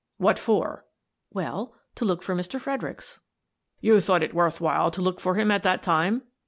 "What for?" "Well, — to look for Mr. Fredericks." The Inquest 177 " You thought it worth while to look for him at that time?"